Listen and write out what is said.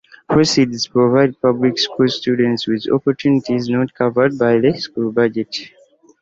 Proceeds provide public school students with opportunities not covered by the school budget.